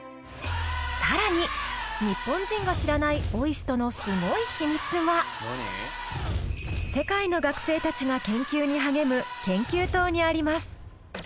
更に日本人が知らないＯＩＳＴのすごい秘密は世界の学生たちが研究に励む研究棟にあります。